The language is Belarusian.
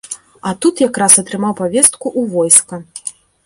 А тут якраз атрымаў павестку ў войска.